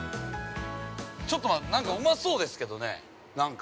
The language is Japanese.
◆ちょっと、なんかうまそうですけどね、なんか。